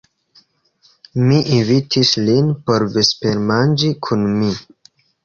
Mi invitis lin por vespermanĝi kun mi.